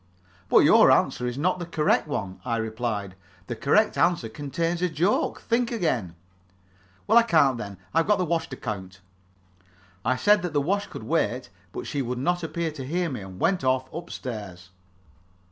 "But your answer is not the correct one," I replied. "The correct answer contains a joke. Think again." "Well, I can't, then. I've got the wash to count." I said that the wash could wait, but she would not appear to hear me, and went off up stairs.